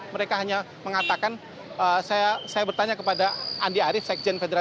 mereka hanya mengatakan saya bertanya kepada andi arief